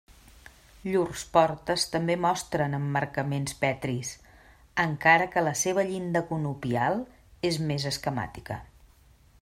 Llurs portes també mostren emmarcaments petris, encara que la seva llinda conopial és més esquemàtica.